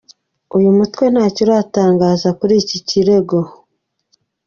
Uyu mutwe ntacyo uratangaza kuri iki kirego.